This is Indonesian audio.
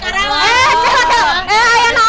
udah kan siapa yang ngajarin